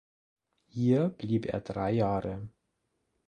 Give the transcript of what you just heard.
Hier blieb er drei Jahre.